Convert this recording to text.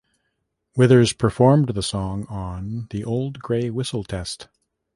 Withers performed the song on "The Old Grey Whistle Test".